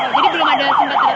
jadi belum ada sempat retak